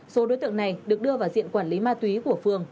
số đối tượng này được đưa vào diện quản lý ma túy của phường